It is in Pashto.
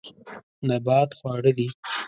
نبات خواړه دي.